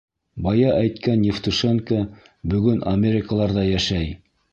Бая әйткән Евтушенко бөгөн Америкаларҙа йәшәй.